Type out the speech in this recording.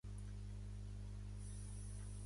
Els ulls són el mirall de l'ànima.